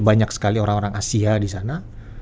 banyak sekali orang orang asia disana